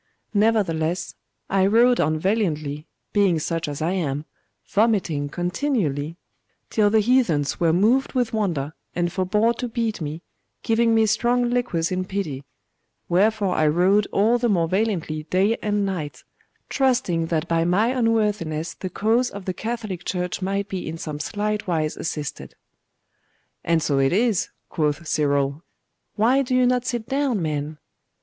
Nevertheless, I rowed on valiantly, being such as I am, vomiting continually, till the heathens were moved with wonder, and forbore to beat me, giving me strong liquors in pity; wherefore I rowed all the more valiantly day and night, trusting that by my unworthiness the cause of the Catholic Church might be in some slight wise assisted.' 'And so it is,' quoth Cyril. 'Why do you not sit down, man?